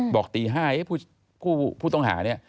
บอกตี๕พูดต้องหาเนี่ย